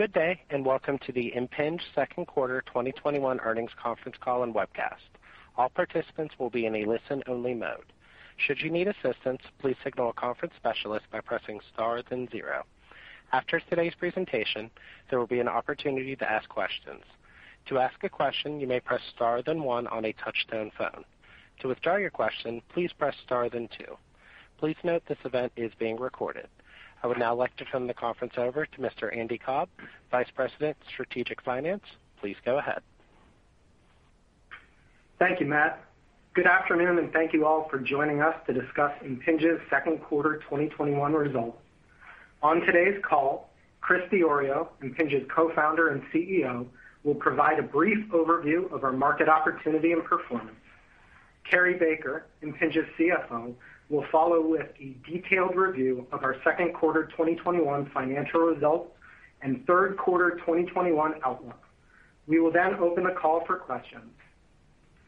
Good day, and welcome to the Impinj second quarter 2021 earnings conference call and webcast. All participants will be in a listen-only mode. Should you need assistance, please signal a conference specialist by pressing star then zero. After today's presentation, there will be an opportunity to ask questions. To ask a question, you may press star then one on a touch-tone phone. To withdraw your question, please press star then two. Please note this event is being recorded. I would now like to turn the conference over to Mr. Andy Cobb, Vice President, Strategic Finance. Please go ahead. Thank you, Matt. Good afternoon, and thank you all for joining us to discuss Impinj's second quarter 2021 results. On today's call, Chris Diorio, Impinj's Co-founder and CEO, will provide a brief overview of our market opportunity and performance. Cary Baker, Impinj's CFO, will follow with a detailed review of our second quarter 2021 financial results and third quarter 2021 outlook. We will then open the call for questions.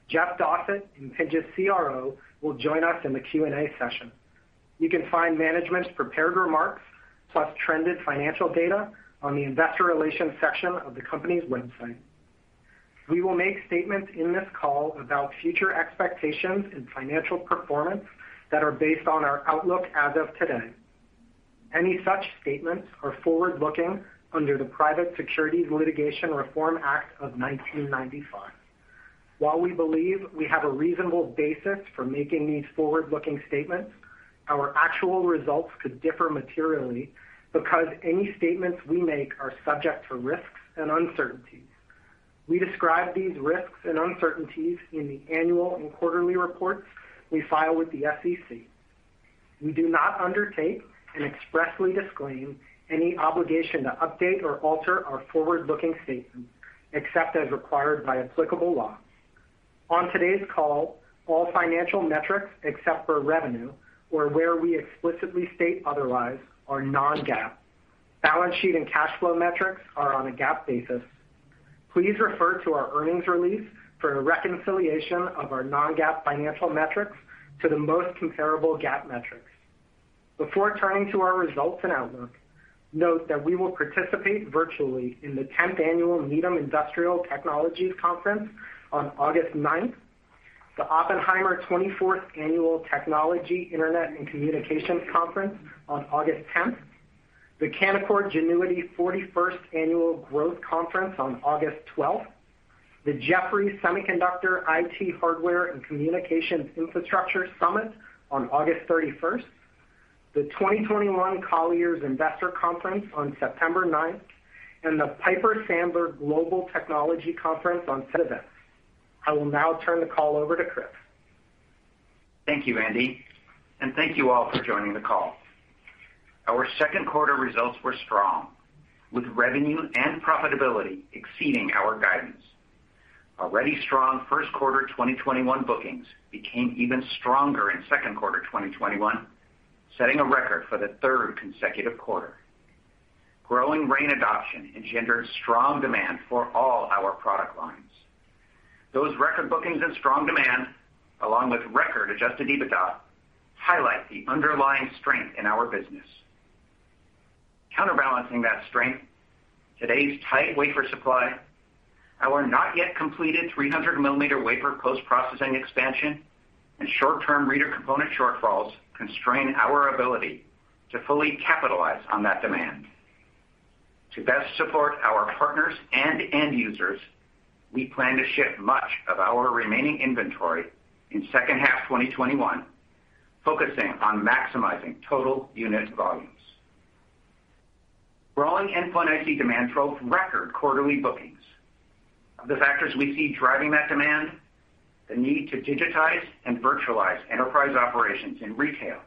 Jeff Dossett, Impinj's CRO, will join us in the Q&A session. You can find management's prepared remarks plus trended financial data on the investor relations section of the company's website. We will make statements in this call about future expectations and financial performance that are based on our outlook as of today. Any such statements are forward-looking under the Private Securities Litigation Reform Act of 1995. While we believe we have a reasonable basis for making these forward-looking statements, our actual results could differ materially because any statements we make are subject to risks and uncertainties. We describe these risks and uncertainties in the annual and quarterly reports we file with the SEC. We do not undertake and expressly disclaim any obligation to update or alter our forward-looking statements, except as required by applicable law. On today's call, all financial metrics, except for revenue, or where we explicitly state otherwise, are non-GAAP. Balance sheet and cash flow metrics are on a GAAP basis. Please refer to our earnings release for a reconciliation of our non-GAAP financial metrics to the most comparable GAAP metrics. Before turning to our results and outlook, note that we will participate virtually in the 10th Annual Needham Industrial Technologies Conference on August 9th, the Oppenheimer 24th Annual Technology, Internet, and Communications Conference on August 10th, the Canaccord Genuity 41st Annual Growth Conference on August 12th, the Jefferies Semiconductor IT Hardware and Communications Infrastructure Summit on August 31st, the 2021 Colliers Investor Conference on September 9th, and the Piper Sandler Global Technology Conference. I will now turn the call over to Chris. Thank you, Andy, and thank you all for joining the call. Our second quarter results were strong, with revenue and profitability exceeding our guidance. Already strong first quarter 2021 bookings became even stronger in second quarter 2021, setting a record for the third consecutive quarter. Growing RAIN adoption engendered strong demand for all our product lines. Those record bookings and strong demand, along with record Adjusted EBITDA, highlight the underlying strength in our business. Counterbalancing that strength, today's tight wafer supply, our not yet completed 300 mm wafer post-processing expansion, and short-term reader component shortfalls constrain our ability to fully capitalize on that demand. To best support our partners and end users, we plan to ship much of our remaining inventory in second half 2021, focusing on maximizing total unit volumes. Growing endpoint IC demand drove record quarterly bookings. The factors we see driving that demand, the need to digitize and virtualize enterprise operations in retail,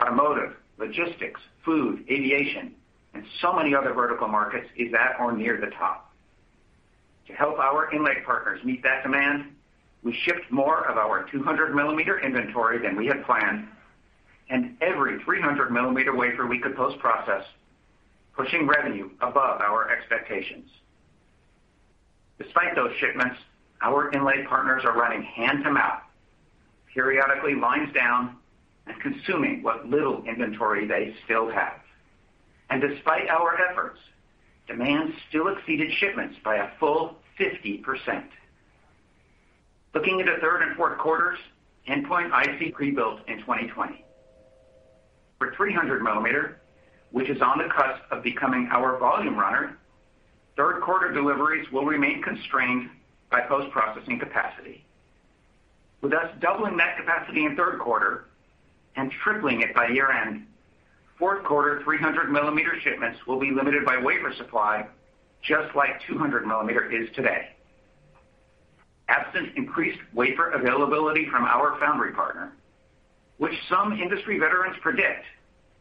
automotive, logistics, food, aviation, and so many other vertical markets, is at or near the top. To help our inlay partners meet that demand, we shipped more of our 200 mm inventory than we had planned, and every 300 mm wafer we could post-process, pushing revenue above our expectations. Despite those shipments, our inlay partners are running hand to mouth, periodically lines down, and consuming what little inventory they still have, and despite our efforts, demand still exceeded shipments by a full 50%. Looking at the third and fourth quarters, endpoint IC pre-built in 2020. For 300 mm, which is on the cusp of becoming our volume runner, third quarter deliveries will remain constrained by post-processing capacity. With us doubling that capacity in third quarter and tripling it by year-end, fourth quarter 300 mm shipments will be limited by wafer supply, just like 200 mm is today. Absent increased wafer availability from our foundry partner, which some industry veterans predict,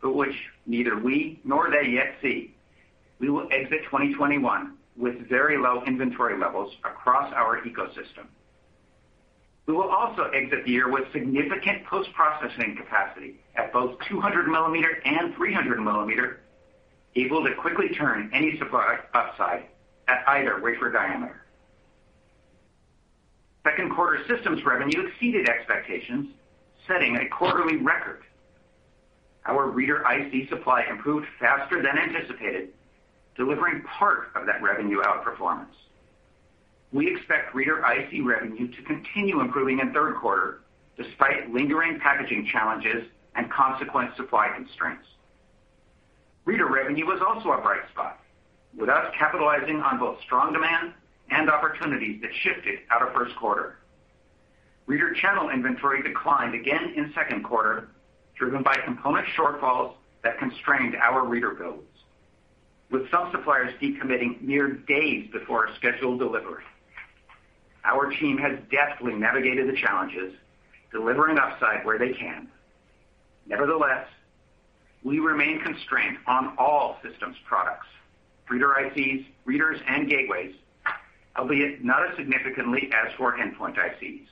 but which neither we nor they yet see, we will exit 2021 with very low inventory levels across our ecosystem. We will also exit the year with significant post-processing capacity at both 200 mm and 300 mm, able to quickly turn any supply upside at either wafer diameter. Second quarter systems revenue exceeded expectations, setting a quarterly record. Our reader IC supply improved faster than anticipated, delivering part of that revenue outperformance. We expect reader IC revenue to continue improving in third quarter, despite lingering packaging challenges and consequent supply constraints. Reader revenue was also a bright spot, with us capitalizing on both strong demand and opportunities that shifted out of first quarter. Reader channel inventory declined again in second quarter, driven by component shortfalls that constrained our reader builds, with some suppliers decommitting mere days before a scheduled delivery. Our team has deftly navigated the challenges, delivering upside where they can. Nevertheless, we remain constrained on all systems products, reader ICs, readers, and gateways, albeit not as significantly as for endpoint ICs.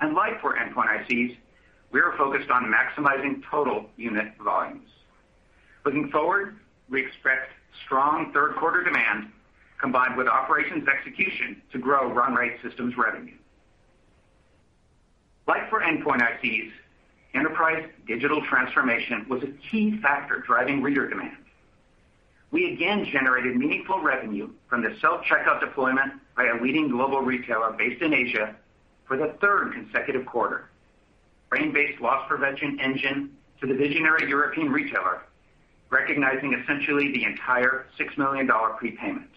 And like for endpoint ICs, we are focused on maximizing total unit volumes. Looking forward, we expect strong third quarter demand, combined with operations execution, to grow run rate systems revenue. Like for endpoint ICs, enterprise digital transformation was a key factor driving reader demand. We again generated meaningful revenue from the self-checkout deployment by a leading global retailer based in Asia for the third consecutive quarter, RAIN-based loss prevention engine to the visionary European retailer, recognizing essentially the entire $6 million prepayment.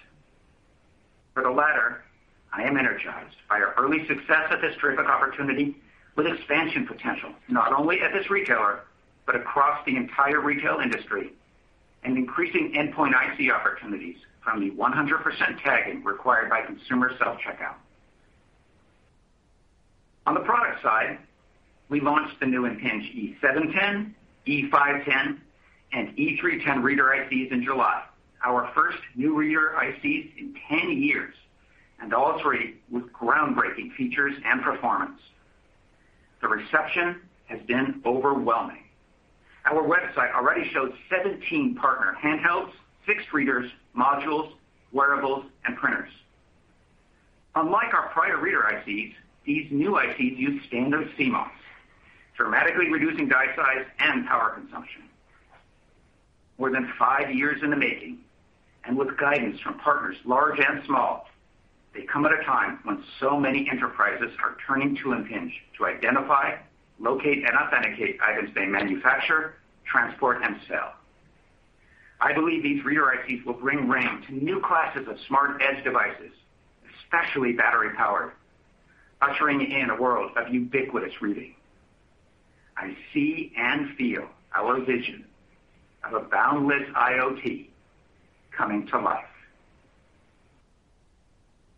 For the latter, I am energized by our early success at this terrific opportunity with expansion potential not only at this retailer, but across the entire retail industry and increasing endpoint IC opportunities from the 100% tagging required by consumer self-checkout. On the product side, we launched the new Impinj E710, E510, and E310 reader ICs in July, our first new reader ICs in 10 years, and all three with groundbreaking features and performance. The reception has been overwhelming. Our website already showed 17 partner handhelds, fixed readers, modules, wearables, and printers. Unlike our prior reader ICs, these new ICs use standard CMOS, dramatically reducing die size and power consumption. More than five years in the making, and with guidance from partners large and small, they come at a time when so many enterprises are turning to Impinj to identify, locate, and authenticate items they manufacture, transport, and sell. I believe these reader ICs will bring RAIN to new classes of smart edge devices, especially battery-powered, ushering in a world of ubiquitous reading. I see and feel our vision of a boundless IoT coming to life.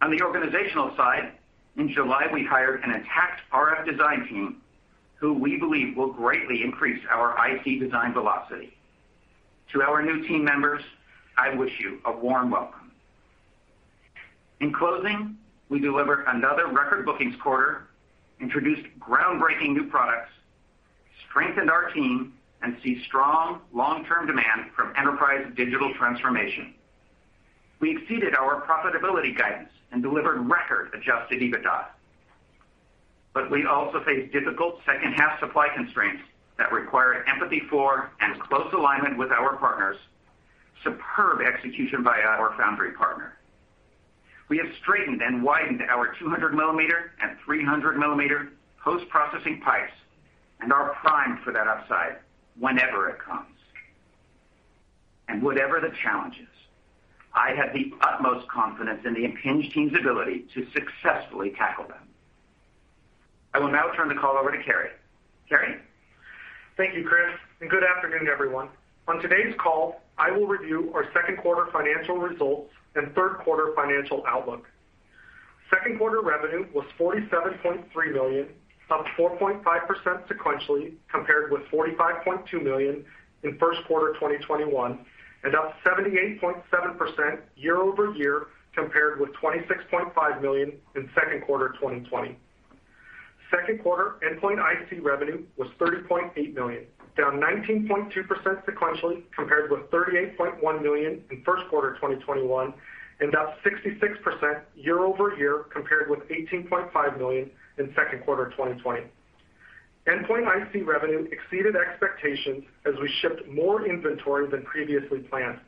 On the organizational side, in July, we acquired an RF design team who we believe will greatly increase our IC design velocity. To our new team members, I wish you a warm welcome. In closing, we deliver another record bookings quarter, introduced groundbreaking new products, strengthened our team, and see strong long-term demand from enterprise digital transformation. We exceeded our profitability guidance and delivered record Adjusted EBITDA. But we also face difficult second half supply constraints that require empathy for and close alignment with our partners, superb execution by our foundry partner. We have straightened and widened our 200 mm and 300 mm post-processing pipes and are primed for that upside whenever it comes. And whatever the challenge is, I have the utmost confidence in the Impinj team's ability to successfully tackle them. I will now turn the call over to Cary. Cary? Thank you, Chris, and good afternoon, everyone. On today's call, I will review our second quarter financial results and third quarter financial outlook. Second quarter revenue was $47.3 million, up 4.5% sequentially compared with $45.2 million in first quarter 2021, and up 78.7% year-over-year compared with $26.5 million in second quarter 2020. Second quarter endpoint IC revenue was $30.8 million, down 19.2% sequentially compared with $38.1 million in first quarter 2021, and up 66% year-over-year compared with $18.5 million in second quarter 2020. Endpoint IC revenue exceeded expectations as we shipped more inventory than previously planned.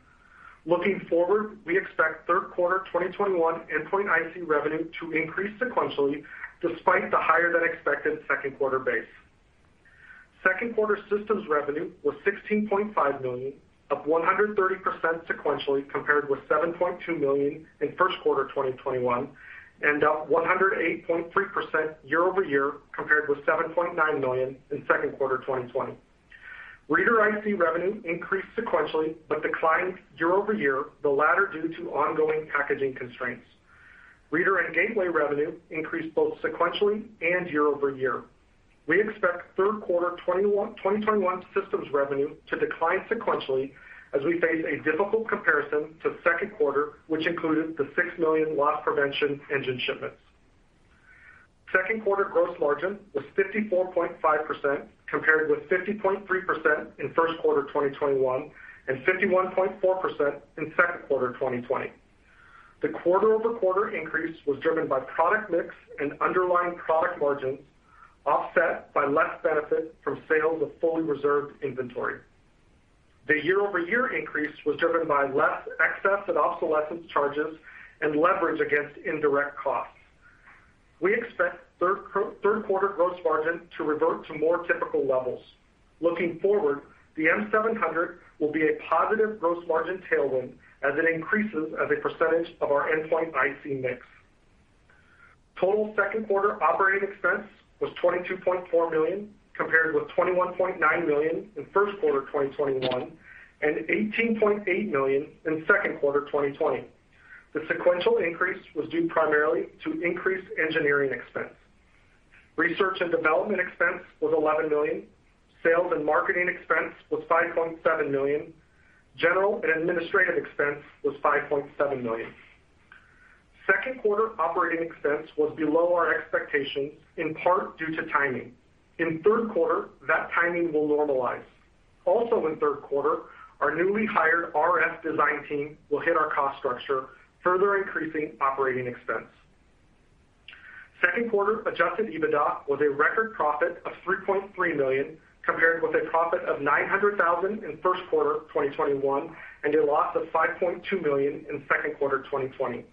Looking forward, we expect third quarter 2021 endpoint IC revenue to increase sequentially despite the higher-than-expected second quarter base. Second quarter systems revenue was $16.5 million, up 130% sequentially compared with $7.2 million in first quarter 2021, and up 108.3% year-over-year compared with $7.9 million in second quarter 2020. Reader IC revenue increased sequentially but declined year-over-year, the latter due to ongoing packaging constraints. Reader and gateway revenue increased both sequentially and year-over-year. We expect third quarter 2021 systems revenue to decline sequentially as we face a difficult comparison to second quarter, which included the six million loss prevention engine shipments. Second quarter gross margin was 54.5% compared with 50.3% in first quarter 2021 and 51.4% in second quarter 2020. The quarter-over-quarter increase was driven by product mix and underlying product margins, offset by less benefit from sales of fully reserved inventory. The year-over-year increase was driven by less excess and obsolescence charges and leverage against indirect costs. We expect third quarter gross margin to revert to more typical levels. Looking forward, the M700 will be a positive gross margin tailwind as it increases as a percentage of our endpoint IC mix. Total second quarter operating expense was $22.4 million compared with $21.9 million in first quarter 2021 and $18.8 million in second quarter 2020. The sequential increase was due primarily to increased engineering expense. Research and development expense was $11 million. Sales and marketing expense was $5.7 million. General and administrative expense was $5.7 million. Second quarter operating expense was below our expectations in part due to timing. In third quarter, that timing will normalize. Also in third quarter, our newly hired RF design team will hit our cost structure, further increasing operating expense. Second quarter Adjusted EBITDA was a record profit of $3.3 million compared with a profit of $900,000 in first quarter 2021 and a loss of $5.2 million in second quarter 2020.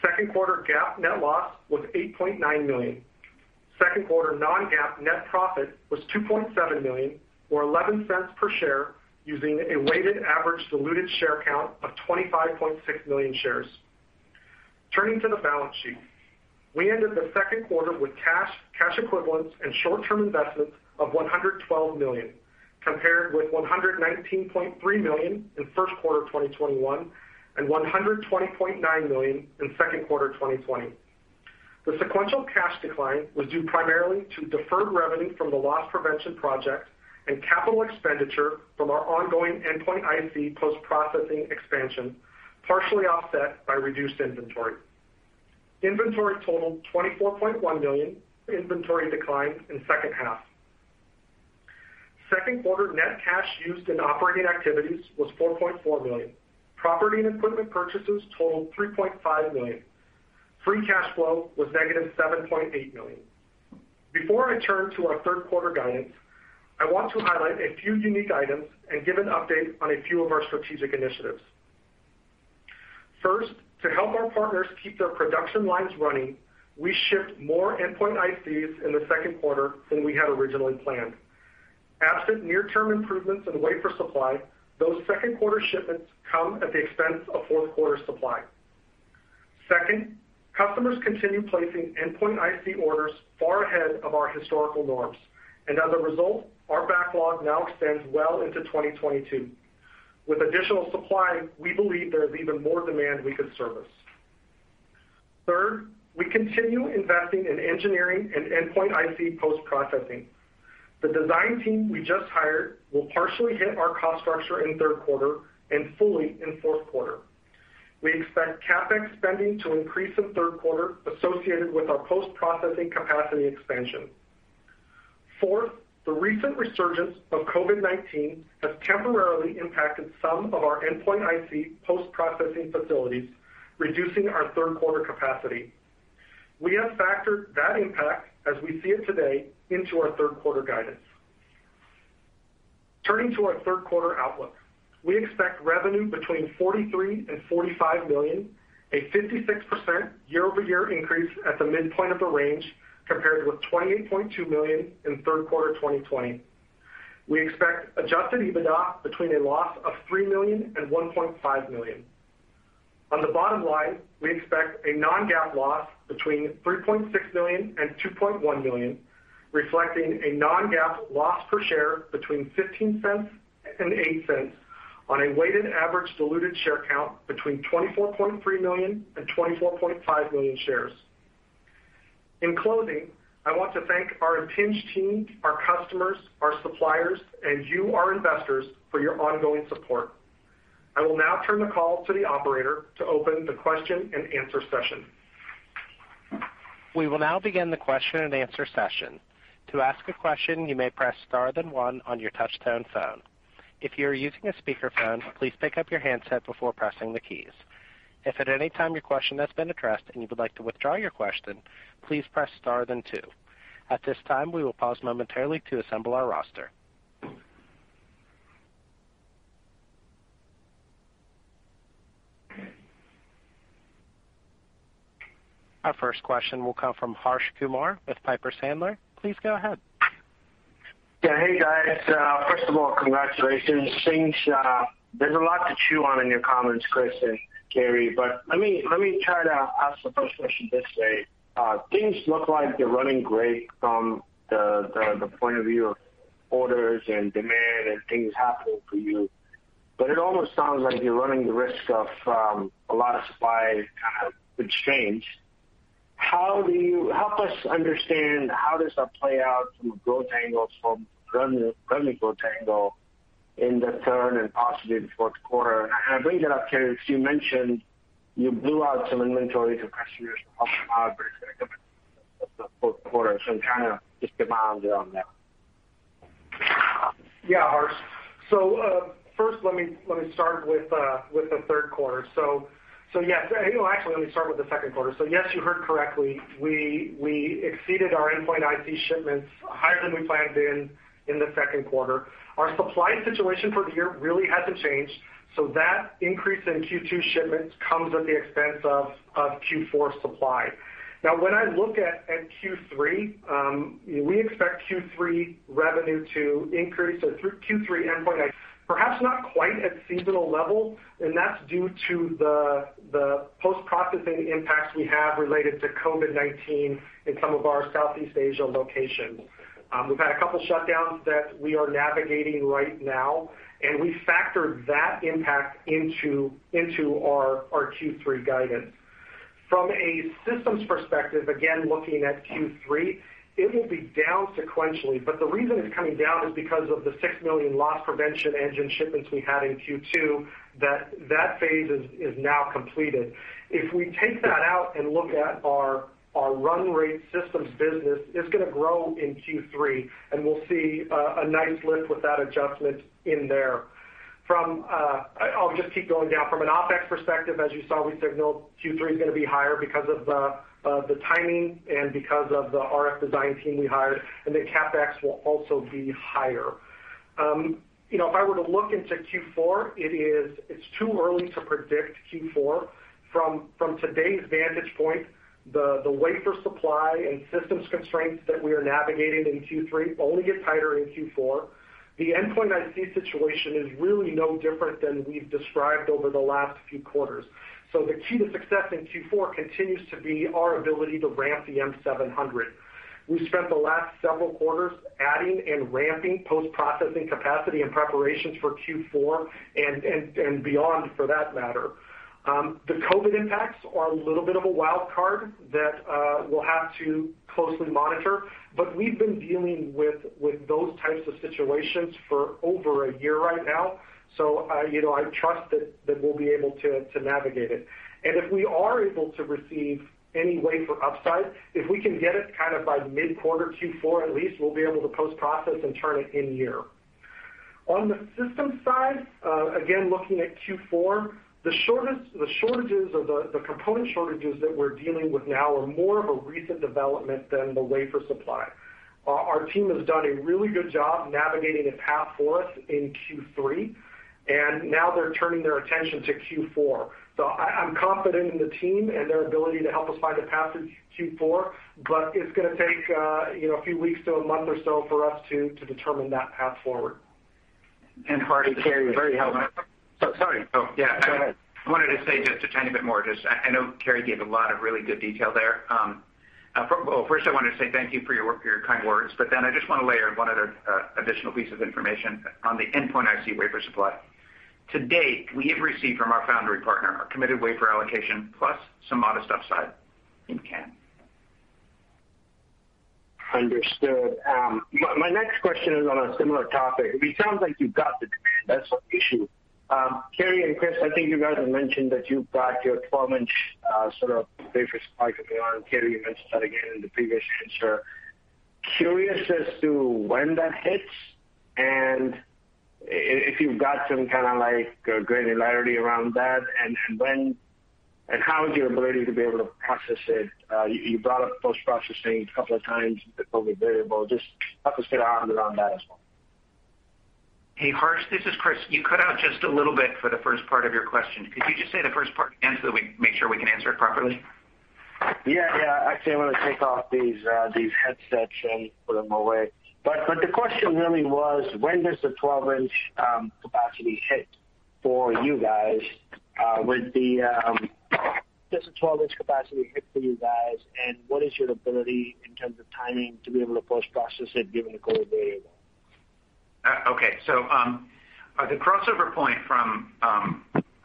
Second quarter GAAP net loss was $8.9 million. Second quarter non-GAAP net profit was $2.7 million, or $0.11 per share, using a weighted average diluted share count of 25.6 million shares. Turning to the balance sheet, we ended the second quarter with cash equivalents and short-term investments of $112 million, compared with $119.3 million in first quarter 2021 and $120.9 million in second quarter 2020. The sequential cash decline was due primarily to deferred revenue from the loss prevention project and capital expenditure from our ongoing endpoint IC post-processing expansion, partially offset by reduced inventory. Inventory totaled $24.1 million. Inventory declined in second half. Second quarter net cash used in operating activities was $4.4 million. Property and equipment purchases totaled $3.5 million. Free cash flow was $-7.8 million. Before I turn to our third quarter guidance, I want to highlight a few unique items and give an update on a few of our strategic initiatives. First, to help our partners keep their production lines running, we shipped more endpoint ICs in the second quarter than we had originally planned. Absent near-term improvements in wafer supply, those second quarter shipments come at the expense of fourth quarter supply. Second, customers continue placing endpoint IC orders far ahead of our historical norms. And as a result, our backlog now extends well into 2022. With additional supply, we believe there is even more demand we could service. Third, we continue investing in engineering and endpoint IC post-processing. The design team we just hired will partially hit our cost structure in third quarter and fully in fourth quarter. We expect CapEx spending to increase in third quarter associated with our post-processing capacity expansion. Fourth, the recent resurgence of COVID-19 has temporarily impacted some of our endpoint IC post-processing facilities, reducing our third quarter capacity. We have factored that impact, as we see it today, into our third quarter guidance. Turning to our third quarter outlook, we expect revenue between $43 million-$45 million, a 56% year-over-year increase at the midpoint of the range compared with $28.2 million in third quarter 2020. We expect adjusted EBITDA between a loss of $3 million and $1.5 million. On the bottom line, we expect a non-GAAP loss between $3.6 million and $2.1 million, reflecting a non-GAAP loss per share between $0.15 and $0.08 on a weighted average diluted share count between 24.3 million and 24.5 million shares. In closing, I want to thank our Impinj team, our customers, our suppliers, and you, our investors, for your ongoing support. I will now turn the call to the operator to open the question and answer session. We will now begin the question and answer session. To ask a question, you may press star then one on your touch-tone phone. If you are using a speakerphone, please pick up your handset before pressing the keys. If at any time your question has been addressed and you would like to withdraw your question, please press star then two. At this time, we will pause momentarily to assemble our roster. Our first question will come from Harsh Kumar with Piper Sandler. Please go ahead. Yeah, hey guys. First of all, congratulations. There's a lot to chew on in your comments, Chris and Cary, but let me try to ask the first question this way. Things look like they're running great from the point of view of orders and demand and things happening for you, but it almost sounds like you're running the risk of a lot of supply kind of exchange. Help us understand how does that play out from a growth angle, from revenue growth angle in the third and possibly the fourth quarter? And I bring that up, Cary, because you mentioned you blew out some inventory to customers for the fourth quarter, so I'm trying to get my eyes around that. Yeah, Harsh. So first, let me start with the third quarter. So yes, actually, let me start with the second quarter. So yes, you heard correctly. We exceeded our endpoint IC shipments higher than we planned in the second quarter. Our supply situation for the year really hasn't changed, so that increase in Q2 shipments comes at the expense of Q4 supply. Now, when I look at Q3, we expect Q3 revenue to increase through Q3 endpoint IC. Perhaps not quite at seasonal level, and that's due to the post-processing impacts we have related to COVID-19 in some of our Southeast Asia locations. We've had a couple of shutdowns that we are navigating right now, and we factored that impact into our Q3 guidance. From a systems perspective, again, looking at Q3, it will be down sequentially, but the reason it's coming down is because of the six million loss prevention engine shipments we had in Q2 that phase is now completed. If we take that out and look at our run rate systems business, it's going to grow in Q3, and we'll see a nice lift with that adjustment in there. I'll just keep going down. From an OpEx perspective, as you saw, we signaled Q3 is going to be higher because of the timing and because of the RF design team we hired, and then CapEx will also be higher. If I were to look into Q4, it's too early to predict Q4. From today's vantage point, the wafer supply and systems constraints that we are navigating in Q3 only get tighter in Q4. The endpoint IC situation is really no different than we've described over the last few quarters. So the key to success in Q4 continues to be our ability to ramp the M700. We spent the last several quarters adding and ramping post-processing capacity and preparations for Q4 and beyond for that matter. The COVID impacts are a little bit of a wild card that we'll have to closely monitor, but we've been dealing with those types of situations for over a year right now, so I trust that we'll be able to navigate it. And if we are able to receive any wafer upside, if we can get it kind of by mid-quarter Q4 at least, we'll be able to post-process and turn it in year. On the systems side, again, looking at Q4, the shortages or the component shortages that we're dealing with now are more of a recent development than the wafer supply. Our team has done a really good job navigating a path for us in Q3, and now they're turning their attention to Q4. So I'm confident in the team and their ability to help us find a path to Q4, but it's going to take a few weeks to a month or so for us to determine that path forward. And Harsh, Cary, very helpful. Sorry. Oh, yeah. I wanted to say just a tiny bit more. I know Cary gave a lot of really good detail there. Well, first, I wanted to say thank you for your kind words, but then I just want to layer one other additional piece of information on the endpoint IC wafer supply. To date, we have received from our foundry partner a committed wafer allocation plus some modest upside in hand. Understood. My next question is on a similar topic. It sounds like you've got the wafer issue. Cary and Chris, I think you guys have mentioned that you've got your 12-inch sort of wafer supply going on. Cary, you mentioned that again in the previous answer. Curious as to when that hits and if you've got some kind of granularity around that and how is your ability to be able to process it. You brought up post-processing a couple of times with the COVID variable. Just help us get our eyes around that as well. Hey, Harsh, this is Chris. You cut out just a little bit for the first part of your question. Could you just say the first part and make sure we can answer it properly? Yeah, yeah. Actually, I'm going to take off these headsets and put them away. But the question really was, when does the 12-inch capacity hit for you guys? Does the 12-inch capacity hit for you guys, and what is your ability in terms of timing to be able to post-process it given the COVID variable? Okay. So the crossover point from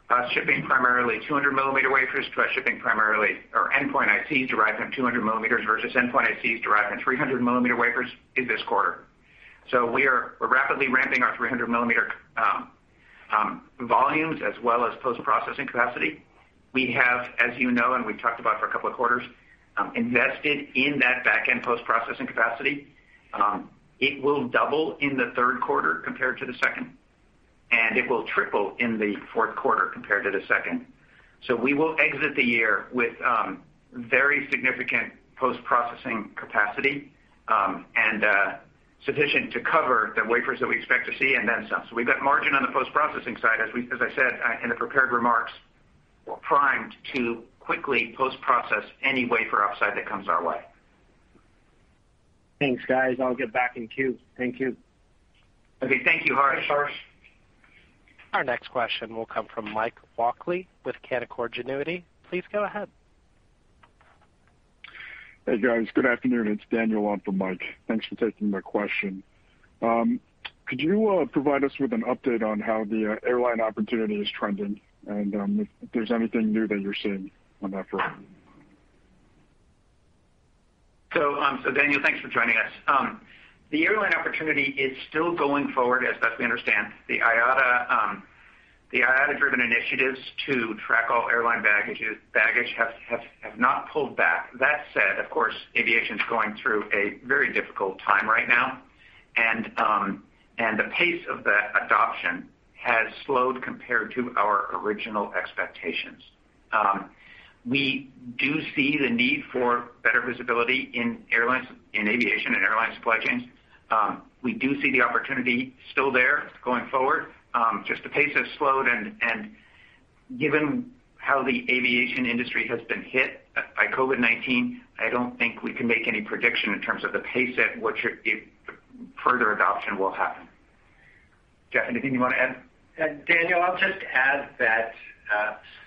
us shipping primarily 200 mm wafers to us shipping primarily our endpoint ICs derived from 200 mm versus endpoint ICs derived from 300 mm wafers is this quarter. So we are rapidly ramping our 300 mm volumes as well as post-processing capacity. We have, as you know, and we've talked about for a couple of quarters, invested in that back-end post-processing capacity. It will double in the third quarter compared to the second, and it will triple in the fourth quarter compared to the second. So we will exit the year with very significant post-processing capacity and sufficient to cover the wafers that we expect to see and then some. So we've got margin on the post-processing side, as I said in the prepared remarks, we're primed to quickly post-process any wafer upside that comes our way. Thanks, guys. I'll get back in queue. Thank you. Okay. Thank you, Harsh. Thanks, Harsh. Our next question will come from Mike Walkley with Canaccord Genuity. Please go ahead. Hey, guys. Good afternoon. It's Daniel. I'm from Mike. Thanks for taking my question. Could you provide us with an update on how the airline opportunity is trending and if there's anything new that you're seeing on that front? So Daniel, thanks for joining us. The airline opportunity is still going forward, as best we understand. The IATA-driven initiatives to track all airline baggage have not pulled back. That said, of course, aviation is going through a very difficult time right now, and the pace of that adoption has slowed compared to our original expectations. We do see the need for better visibility in aviation and airline supply chains. We do see the opportunity still there going forward. Just the pace has slowed, and given how the aviation industry has been hit by COVID-19, I don't think we can make any prediction in terms of the pace at which further adoption will happen. Jeff, anything you want to add? And Daniel, I'll just add that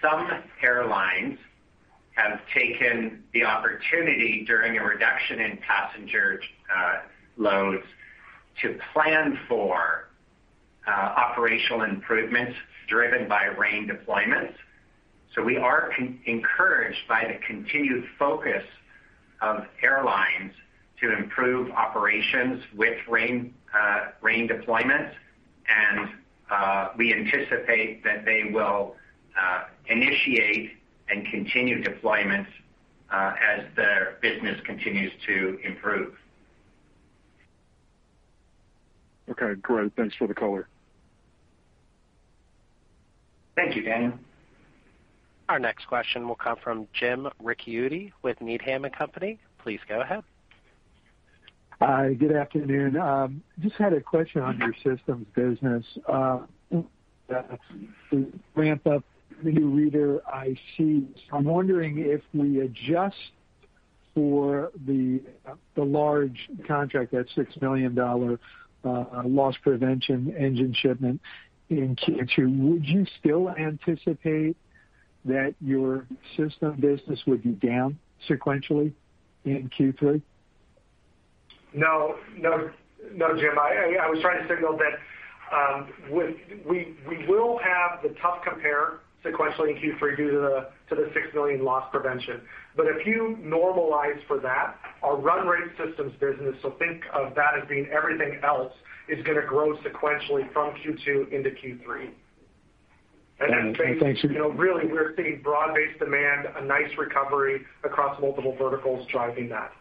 some airlines have taken the opportunity during a reduction in passenger loads to plan for operational improvements driven by RAIN deployments. So we are encouraged by the continued focus of airlines to improve operations with RAIN deployments, and we anticipate that they will initiate and continue deployments as the business continues to improve. Okay. Great. Thanks for the color. Thank you, Daniel. Our next question will come from Jim Ricchiuti with Needham & Company. Please go ahead. Good afternoon. Just had a question on your systems business. Ramp up the new reader IC. I'm wondering if we adjust for the large contract, that $6 million loss prevention engine shipment in Q2, would you still anticipate that your system business would be down sequentially in Q3? No, no, no, Jim. I was trying to signal that we will have the tough compare sequentially in Q3 due to the $6 million loss prevention. But if you normalize for that, our run rate systems business, so think of that as being everything else, is going to grow sequentially from Q2 into Q3. Thank you. Really, we're seeing broad-based demand, a nice recovery across multiple verticals driving that.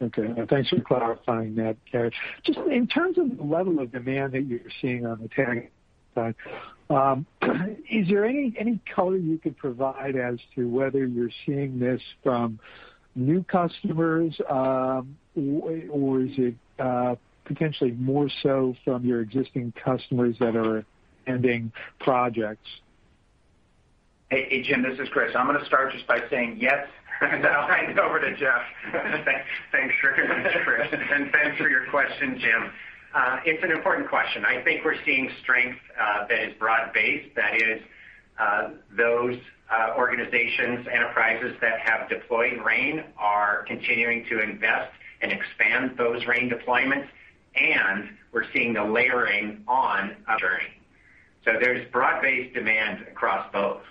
Okay. And thanks for clarifying that, Cary. Just in terms of the level of demand that you're seeing on the querying side, is there any color you could provide as to whether you're seeing this from new customers, or is it potentially more so from your existing customers that are ending projects? Hey, Jim, this is Chris. I'm going to start just by saying yes. Now I hand it over to Jeff. Thanks, Chris. And thanks for your question, Jim. It's an important question. I think we're seeing strength that is broad-based. That is, those organizations, enterprises that have deployed RAIN are continuing to invest and expand those RAIN deployments, and we're seeing the layering on Avery. So there's broad-based demand across both.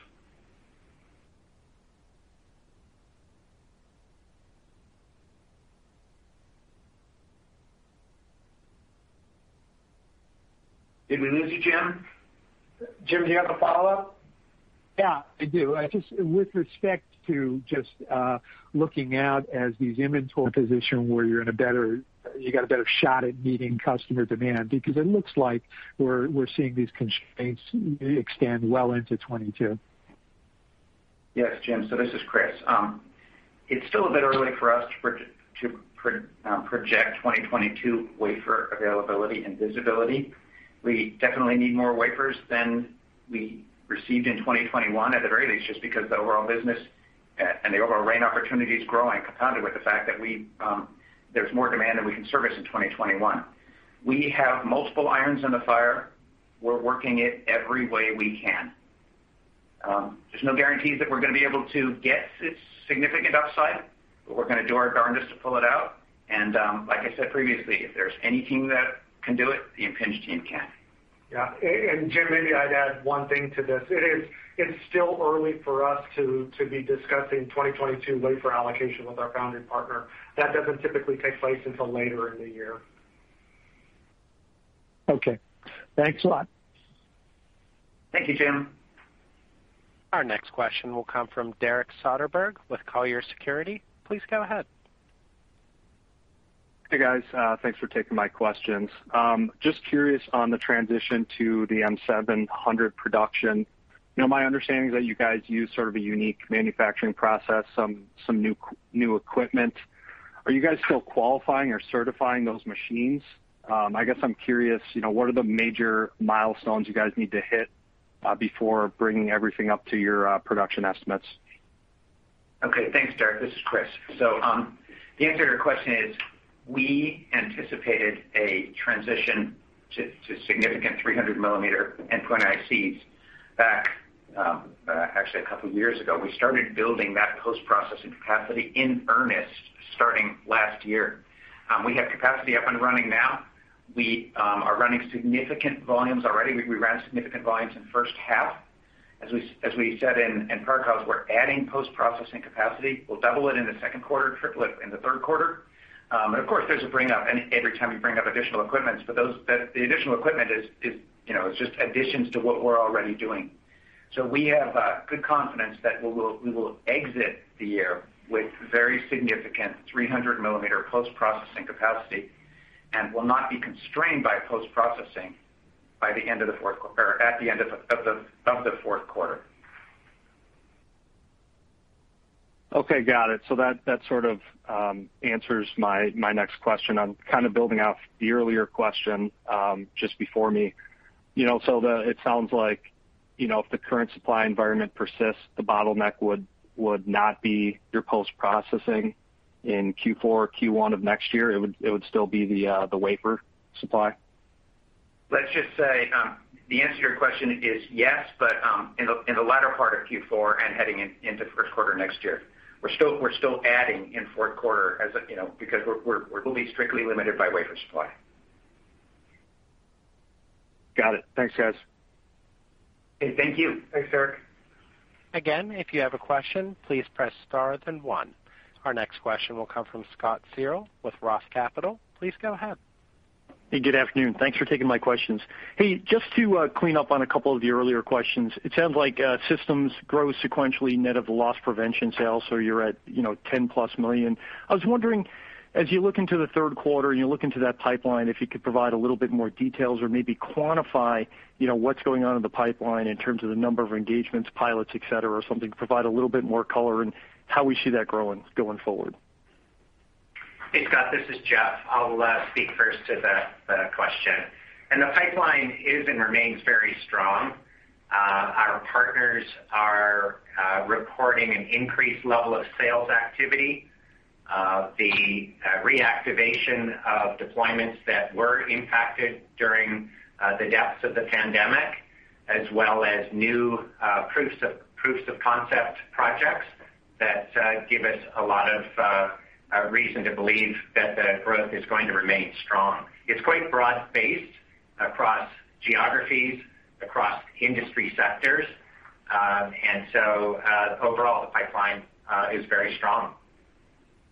Did we lose you, Jim? Jim, do you have a follow-up? Yeah, I do. Just with respect to looking out at these inventory positions where you're in a better position. You got a better shot at meeting customer demand because it looks like we're seeing these constraints extend well into 2022. Yes, Jim. So this is Chris. It's still a bit early for us to project 2022 wafer availability and visibility. We definitely need more wafers than we received in 2021 at the very least just because the overall business and the overall RAIN opportunity is growing compounded with the fact that there's more demand than we can service in 2021. We have multiple irons in the fire. We're working it every way we can. There's no guarantees that we're going to be able to get significant upside, but we're going to do our darndest to pull it out. And like I said previously, if there's any team that can do it, the Impinj team can. Yeah, and Jim, maybe I'd add one thing to this. It's still early for us to be discussing 2022 wafer allocation with our foundry partner. That doesn't typically take place until later in the year. Okay. Thanks a lot. Thank you, Jim. Our next question will come from Derek Soderberg with Colliers Securities. Please go ahead. Hey, guys. Thanks for taking my questions. Just curious on the transition to the M700 production. My understanding is that you guys use sort of a unique manufacturing process, some new equipment. Are you guys still qualifying or certifying those machines? I guess I'm curious, what are the major milestones you guys need to hit before bringing everything up to your production estimates? Okay. Thanks, Derek. This is Chris. So the answer to your question is we anticipated a transition to significant 300 mm endpoint ICs back actually a couple of years ago. We started building that post-processing capacity in earnest starting last year. We have capacity up and running now. We are running significant volumes already. We ran significant volumes in the first half. As we said in the call, we're adding post-processing capacity. We'll double it in the second quarter, triple it in the third quarter. But of course, there's a bring-up, and every time you bring up additional equipment, but the additional equipment is just additions to what we're already doing. So we have good confidence that we will exit the year with very significant 300 mm post-processing capacity and will not be constrained by post-processing by the end of the fourth or at the end of the fourth quarter. Okay. Got it. So that sort of answers my next question. I'm kind of building off the earlier question just before me. So it sounds like if the current supply environment persists, the bottleneck would not be your post-processing in Q4, Q1 of next year. It would still be the wafer supply? Let's just say the answer to your question is yes, but in the latter part of Q4 and heading into the first quarter next year. We're still adding in fourth quarter because we're going to be strictly limited by wafer supply. Got it. Thanks, guys. Hey, thank you. Thanks, Derek. Again, if you have a question, please press star then one. Our next question will come from Scott Searle with Roth Capital. Please go ahead. Hey, good afternoon. Thanks for taking my questions. Hey, just to clean up on a couple of the earlier questions, it sounds like systems grow sequentially net of the loss prevention sale, so you're at $10+ million. I was wondering, as you look into the third quarter and you look into that pipeline, if you could provide a little bit more details or maybe quantify what's going on in the pipeline in terms of the number of engagements, pilots, etc., or something, provide a little bit more color in how we see that growing going forward. Hey, Scott, this is Jeff. I'll speak first to the question, and the pipeline is and remains very strong. Our partners are reporting an increased level of sales activity, the reactivation of deployments that were impacted during the depths of the pandemic, as well as new proofs of concept projects that give us a lot of reason to believe that the growth is going to remain strong. It's quite broad-based across geographies, across industry sectors, and so overall, the pipeline is very strong.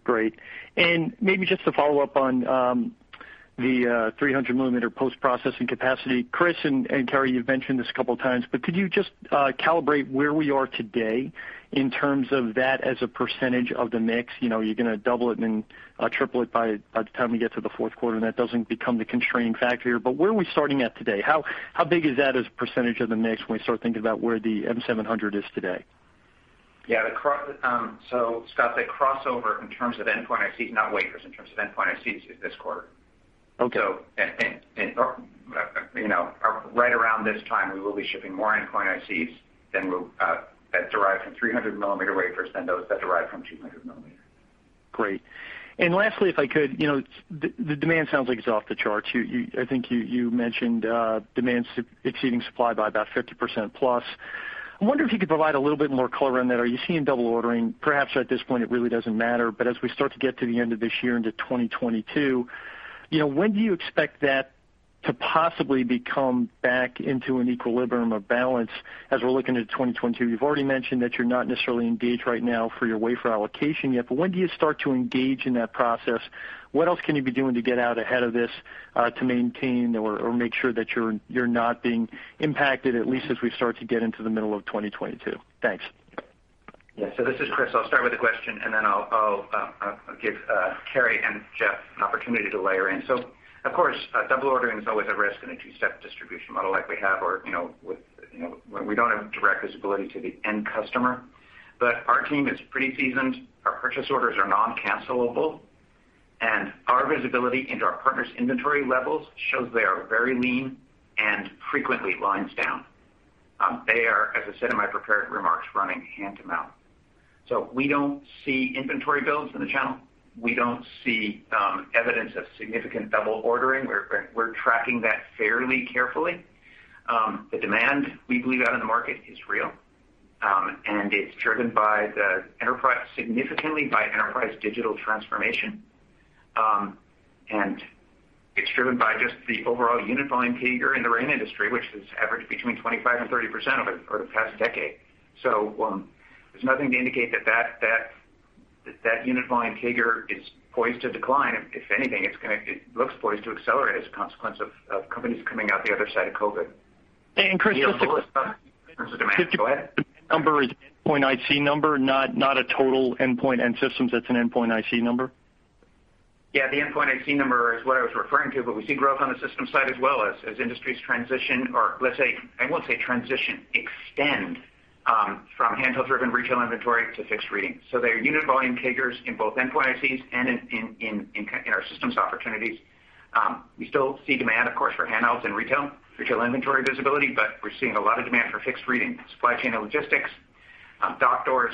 Great. And maybe just to follow up on the 300 mm post-processing capacity, Chris and Cary, you've mentioned this a couple of times, but could you just calibrate where we are today in terms of that as a percentage of the mix? You're going to double it and then triple it by the time we get to the fourth quarter, and that doesn't become the constraining factor here. But where are we starting at today? How big is that as a percentage of the mix when we start thinking about where the M700 is today? Yeah. So Scott, the crossover in terms of endpoint ICs, not wafers in terms of endpoint ICs, is this quarter. So right around this time, we will be shipping more endpoint ICs that derive from 300 mm wafers than those that derive from 200 mm. Great. And lastly, if I could, the demand sounds like it's off the charts. I think you mentioned demand's exceeding supply by about 50%+. I wonder if you could provide a little bit more color on that. Are you seeing double ordering? Perhaps at this point, it really doesn't matter. But as we start to get to the end of this year, into 2022, when do you expect that to possibly become back into an equilibrium of balance as we're looking into 2022? You've already mentioned that you're not necessarily engaged right now for your wafer allocation yet, but when do you start to engage in that process? What else can you be doing to get out ahead of this to maintain or make sure that you're not being impacted, at least as we start to get into the middle of 2022? Thanks. Yeah. So this is Chris. I'll start with the question, and then I'll give Cary and Jeff an opportunity to layer in. So of course, double ordering is always a risk in a two-step distribution model like we have, where we don't have direct visibility to the end customer. But our team is pretty seasoned. Our purchase orders are non-cancelable, and our visibility into our partners' inventory levels shows they are very lean and frequently lines down. They are, as I said in my prepared remarks, running hand-to-mouth. So we don't see inventory builds in the channel. We don't see evidence of significant double ordering. We're tracking that fairly carefully. The demand we believe out in the market is real, and it's driven significantly by enterprise digital transformation. And it's driven by just the overall unit volume figure in the RAIN industry, which has averaged between 25% and 30% over the past decade. So there's nothing to indicate that that unit volume figure is poised to decline. If anything, it looks poised to accelerate as a consequence of companies coming out the other side of COVID. Chris, just to. In terms of demand. Go ahead. Endpoint IC number, not a total endpoint and systems? That's an endpoint IC number? Yeah. The endpoint IC number is what I was referring to, but we see growth on the systems side as well as industries transition, or let's say, I won't say transition, extend from handheld-driven retail inventory to fixed reading. So there are unit volume figures in both endpoint ICs and in our systems opportunities. We still see demand, of course, for handhelds and retail inventory visibility, but we're seeing a lot of demand for fixed reading, supply chain and logistics, dock doors,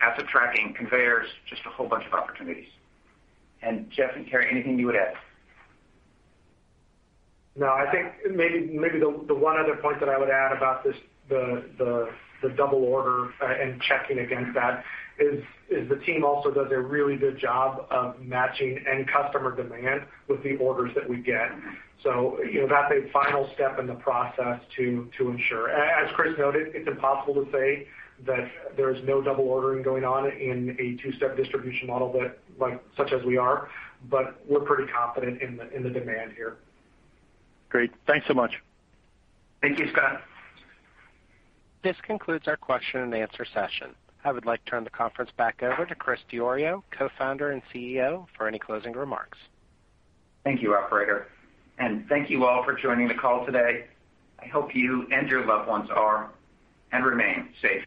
asset tracking, conveyors, just a whole bunch of opportunities. And Jeff and Cary, anything you would add? No, I think maybe the one other point that I would add about the double order and checking against that is the team also does a really good job of matching end customer demand with the orders that we get. So that's a final step in the process to ensure. As Chris noted, it's impossible to say that there is no double ordering going on in a two-step distribution model such as we are, but we're pretty confident in the demand here. Great. Thanks so much. Thank you, Scott. This concludes our question and answer session. I would like to turn the conference back over to Chris Diorio, Co-founder and CEO, for any closing remarks. Thank you, Operator. Thank you all for joining the call today. I hope you and your loved ones are and remain safe.